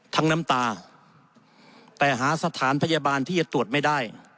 น้ำตาแต่หาสถานพยาบาลที่จะตรวจไม่ได้